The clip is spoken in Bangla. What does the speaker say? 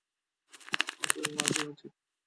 তোমার তো টেবিলের ওপর নাচা উচিত!